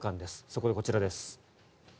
そこでこちらです。